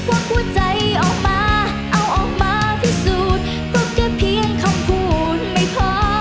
ความผู้ใจออกมาเอาออกมาที่สุดก็เพียบเพียงคำพูดไม่พอ